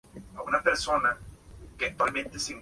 Fue el último filme de Olga Zubarry para la productora Lumiton.